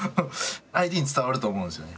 相手に伝わると思うんですよね。